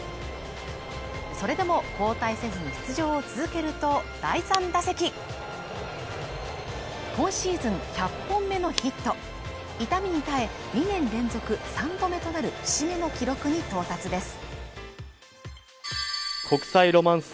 それでも交代せずに出場を続けると第３打席今シーズン１００本目のヒット痛みに耐え２年連続３度目となる節目の記録に到達です